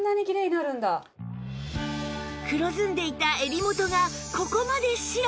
黒ずんでいた襟元がここまで白く！